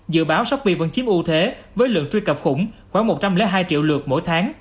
dự báo shopee vẫn chiếm ưu thế với lượng truy cập khủng khoảng một trăm linh hai triệu lượt mỗi tháng